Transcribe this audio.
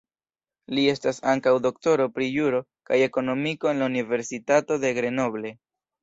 Il estas ankaŭ doktoro pri juro kaj ekonomiko en la Universitato de Grenoble.